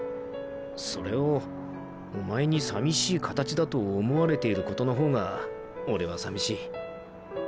それをお前にさみしい形だと思われていることのほうが俺はさみしい。